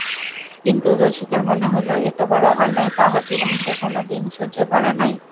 কিন্তু রসিকের মনে হইল এতবড়ো অন্যায় তাহার জীবনে সে কোনোদিন সহ্য করে নাই।